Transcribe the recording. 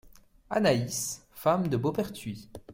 Anaïs , femme de Beauperthuis.